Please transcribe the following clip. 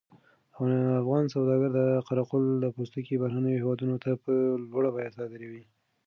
افغان سوداګر د قره قل پوستکي بهرنیو هېوادونو ته په لوړه بیه صادروي.